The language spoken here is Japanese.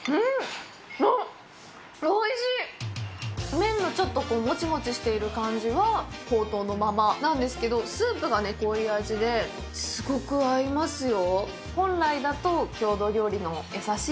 麺のちょっともちもちしている感じは、ほうとうのままなんですけど、スープが濃い味で、すごく合いますよ。